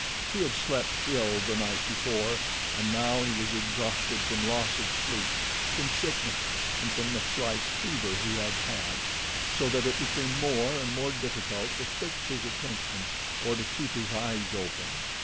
He had slept ill the night before and now he was exhausted from loss of sleep, from sickness, and from the slight fever he had had, so that it became more and more difficult to fix his attention, or to keep his eyes open.